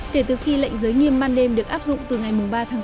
kể từ khi lệnh giới nghiêm ban đêm được áp dụng từ ngày ba tháng bốn